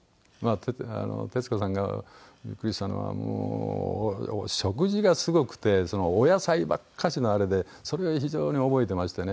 徹子さんがビックリしたのはもうお食事がすごくてお野菜ばっかしのあれでそれを非常に覚えてましてね。